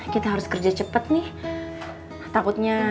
kamu percaya jak'da gua